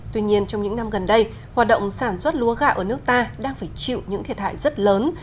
tuy nhiên trong những năm gần đây hoạt động sản xuất lúa gạo ở nước ta đang phải chịu những thiệt hại rất lớn